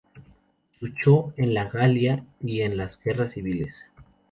Luchó en la Galia y en las guerras civiles.